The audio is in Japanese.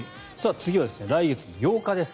次は来月の８日です。